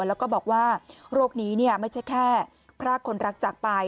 แล้วก็บอกว่าโรคนี้ไม่ใช่แค่พรากคนรักจากไป